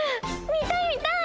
見たい見たい！